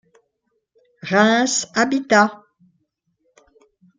Reims Habitat.